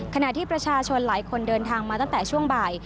ขณะที่ประชาชนหลายคนเดินทางมาตั้งแต่ช่วงบ่าย